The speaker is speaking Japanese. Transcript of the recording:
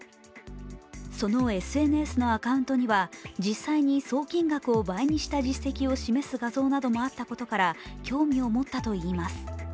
そのＳＮＳのアカウントには実際に総金額を倍にした実績を示す画像などもあったことから興味を持ったといいます。